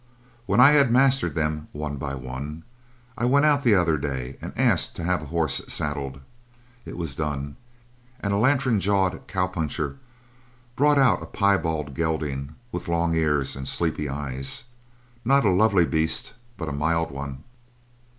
"When I had mastered them one by one I went out the other day and asked to have a horse saddled. It was done, and a lantern jawed cowpuncher brought out a piebald gelding with long ears and sleepy eyes. Not a lovely beast, but a mild one.